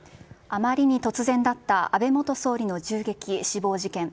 あまりに突然だった安倍元総理の銃撃死亡事件。